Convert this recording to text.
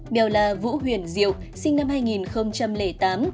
đều là vũ huyền diệu sinh năm hai nghìn tám